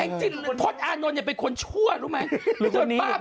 ไอ้จิตพดอานนท์อย่าเป็นคนชั่วรู้ไหมหรือคนนี้คนนี้